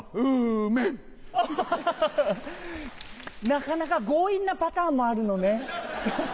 なかなか強引なパターンもあるのね。